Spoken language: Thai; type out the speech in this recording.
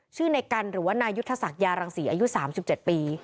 ชื่อในกรรณ์หรือว่านายุทศักยารังศรีอายุสามสิบเจ็ดปี